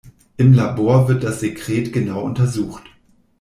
Im Labor wird das Sekret genau untersucht.